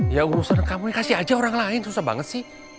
ya urusan kamu kasih aja orang lain susah banget sih